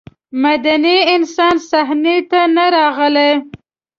مدني انسان صحنې ته نه راغلی.